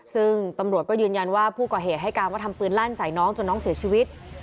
ซึ่งตำรวจก็ยืนยันว่าผู้ก่อเหตุให้การว่าทำปืนลั่นใส่น้องจนน้องเสียชีวิต